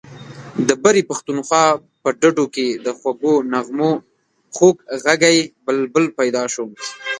د برې پښتونخوا په ډډو کې د خوږو نغمو خوږ غږی بلبل پیدا شو.